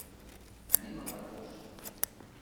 Anem a l'Arboç.